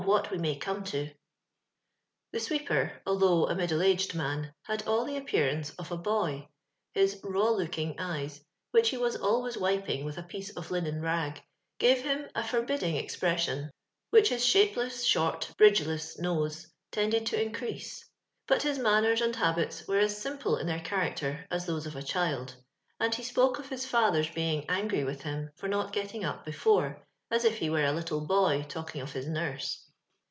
LIV. ^^■• I I ■'^^ j i.::ii.r iji i : LONDON LABOUR AND THE LONDON POOR, 489 luid all the appearance of a boy — his raw look ing eyes, wMch he was always wiping with a piece of linen rag, gave him a forbidding ex pression, which his shapeless, short, bridgeless nose tended to increase. But his manners and habits were as simple in their character as those of a child ; and he spoke of his father's being angry with him for not getting up before, as if he were a little boy talking of his Burse.